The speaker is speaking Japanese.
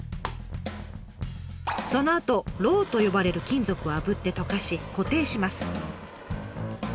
そのあと「ろう」と呼ばれる金属をあぶってとかし固定します。